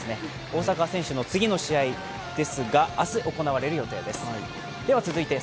大坂選手の次の試合ですが明日行われる予定です。